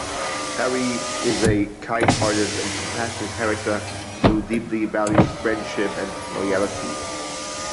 Harry is a kind-hearted and compassionate character who deeply values friendship and loyalty.